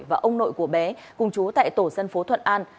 và ông nội của bé cùng chú tại tổ dân phố thuận an